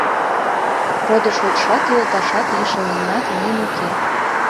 Родо-шочшат, йолташат, лишыл еҥат мыйын уке!